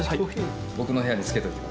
僕の部屋につけといてください。